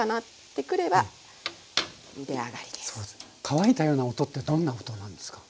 乾いたような音ってどんな音なんですか？